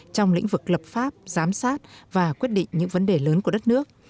trong lĩnh vực lập pháp giám sát và quyết định những vấn đề lớn của đất nước